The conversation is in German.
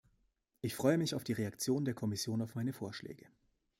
Ich freue mich auf die Reaktion der Kommission auf meine Vorschläge.